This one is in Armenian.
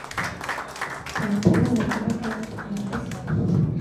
Սերվել է ազնվական ընտանիքից։